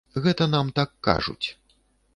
Гэта нам так кажуць.